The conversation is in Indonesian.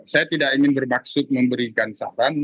saya tidak ingin bermaksud memberikan saran